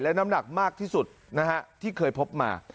และน้ำหนักมากที่สุดนะฮะที่เคยพบมา